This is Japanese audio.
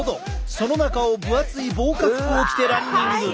その中を分厚い防火服を着てランニング。